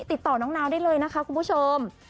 ติดต่อน้องนาวได้เลยนะคะคุณผู้ชม